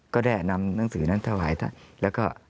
ก็ได้นำหนังสือนั้นถวายท่านแล้วก็